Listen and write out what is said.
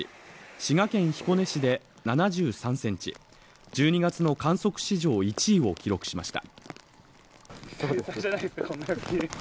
滋賀県彦根市で７３ｃｍ、１２月の観測史上１位を記録しました。